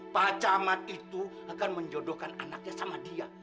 pacaman itu akan menjodohkan anaknya sama dia